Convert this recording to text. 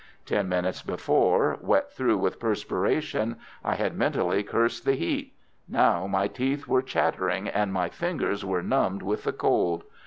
Ten minutes before, wet through with perspiration, I had mentally cursed the heat; now my teeth were chattering and my fingers were numbed with the cold.